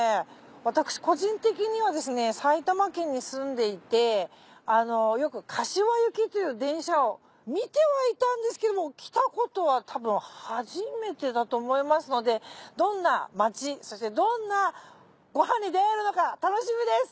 私個人的にはですね埼玉県に住んでいてよく柏行きという電車を見てはいたんですけども来たことはたぶん初めてだと思いますのでどんな町そしてどんなご飯に出会えるのか楽しみです。